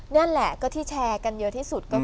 นั่นแหละก็ที่แชร์กันเยอะที่สุดก็คือ